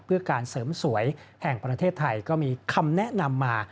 เพื่อการเสริมสวยแห่งประเทศไทยก็มีคำแนะนำมา